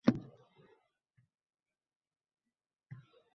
Lekin...